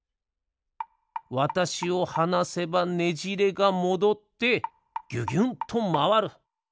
わたしをはなせばねじれがもどってぎゅぎゅんとまわる。